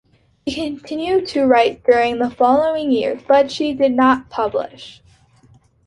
She continued to write during the following years, but she did not publish.